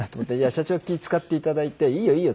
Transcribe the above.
社長は気ぃ使っていただいて「いいよいいよ」